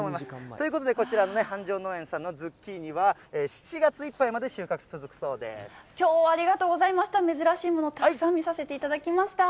ということで、こちらのね、繁昌農園さんのズッキーニは、７月いっぱいまで収穫続くそうできょうはありがとうございました、珍しいものをたくさん見させていただきました。